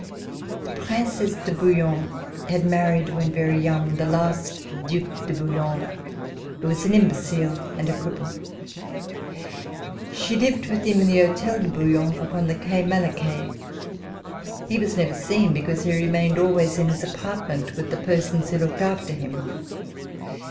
The Princesse de Bouillon had married, when very young, the last Due de Bouillon, who was an imbecile and a cripple. She lived with him in the Hotel de Bouillon upon the Quai Malaquais. He was never FIRST SEASON IN SOCIETY seen, because he remained always in his apartment with the persons who looked after him.